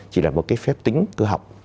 chỉ là một phép tính cơ học